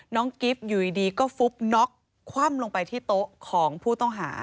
กิฟต์อยู่ดีก็ฟุบน็อกคว่ำลงไปที่โต๊ะของผู้ต้องหา